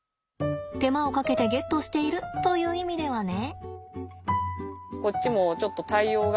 手間をかけてゲットしているという意味ではね。